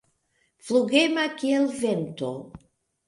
Flugema kiel vento.